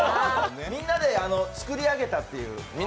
みんなで作り上げたっていう。